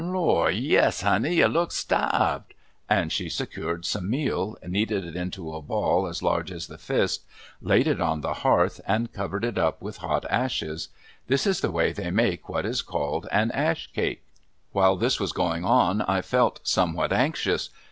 "Lor' yes, honey, ye look sta'ved," and she secured some meal, kneaded it into a ball as large as the fist, laid it on the hearth and covered it up with hot ashes. This is the way they make what is called an ash cake. While this was going on I felt somewhat anxious.